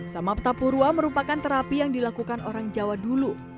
sama petapurua merupakan terapi yang dilakukan orang jawa dulu